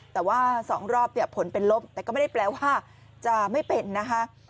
แต่ว่า๒รอบเนี่ยผลเป็นลบแต่ก็ไม่ได้แปลว่าจะไม่เป็นนะคะ